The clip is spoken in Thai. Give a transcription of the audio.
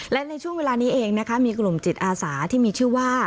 และในช่วงเวลานี้เองนะคะมีกลุ่มจิตอาสาที่มีชื่อว่า